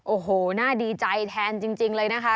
โอ้โหน่าดีใจแทนจริงเลยนะคะ